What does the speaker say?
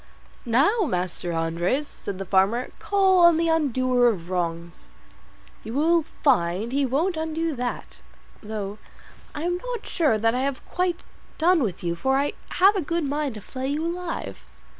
"Now, Master Andres," said the farmer, "call on the undoer of wrongs; you will find he won't undo that, though I am not sure that I have quite done with you, for I have a good mind to flay you alive."